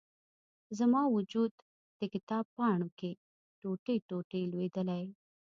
زما و جود، د کتاب پاڼو کې، ټوټي، ټوټي لویدلي